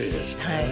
はい。